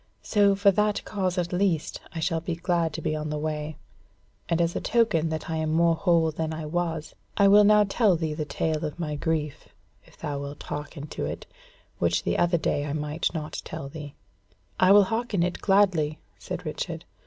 So for that cause at least shall I be glad to be on the way; and as a token that I am more whole than I was, I will now tell thee the tale of my grief, if thou wilt hearken to it, which the other day I might not tell thee." "I will hearken it gladly," said Richard.